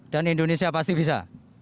dan indonesia pasti bisa